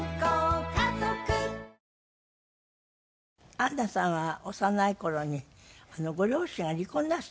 アンナさんは幼い頃にご両親が離婚なすったんですって？